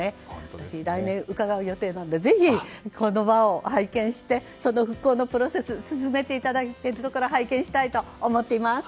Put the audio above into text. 私は来年伺う予定なのでぜひこの場を拝見してその復興のプロセスを進めるのを拝見したいと思います。